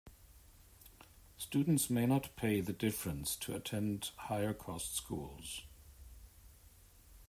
Students may not pay the difference to attend higher-cost schools.